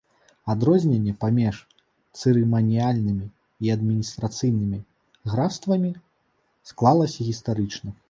Адрозненне паміж цырыманіяльнымі і адміністрацыйнымі графствамі склалася гістарычна.